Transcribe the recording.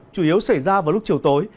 chủ yếu xảy ra vào lúc chiều tối